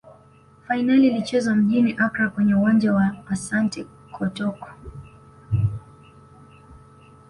fainali ilichezwa mjini accra kwenye uwanja wa asante kotoko